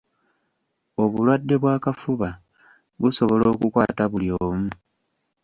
Obulwadde bw'akafuba busobola okukwata buli omu.